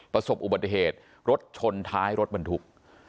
ประสบอุบัติเหตุรถชนท้ายรถบรรทุก